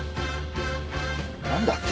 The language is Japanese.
何だって？